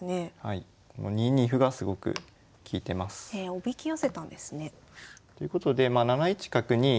おびき寄せたんですね。ということでまあ７一角に。